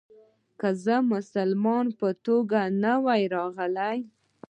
که زه د مسلمان په توګه نه وای راغلی.